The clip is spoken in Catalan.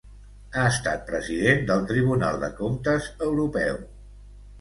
Ha estat president del Tribunal de Comptes Europeu.